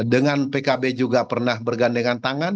dengan pkb juga pernah bergandengan tangan